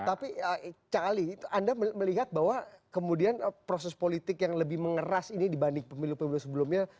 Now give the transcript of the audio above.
tapi cak ali anda melihat bahwa kemudian proses politik yang lebih mengeras ini dibanding pemilu pemilu sebelumnya